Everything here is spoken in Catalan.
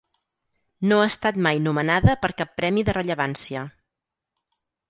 No ha estat mai nomenada per cap premi de rellevància.